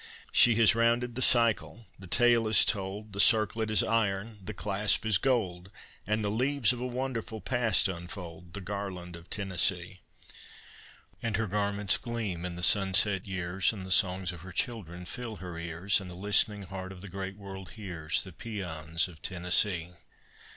She has rounded the cycle, the tale is told; The circlet is iron, the clasp is gold; And the leaves of a wonderful past unfold The garland of Tennessee. And her garments gleam in the sunlit years, And the songs of her children fill her ears; And the listening heart of the great world hears The pæans of Tennessee!